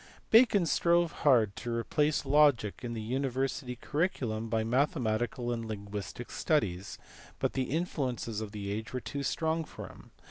Bacon strove hard to replace logic in the university curri culum by mathematical and linguistic studies, but the influences of the age were too strong for him.